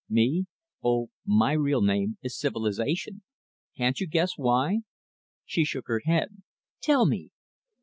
"Me? Oh, my real name is 'Civilization'. Can't you guess why?" She shook her head. "Tell me."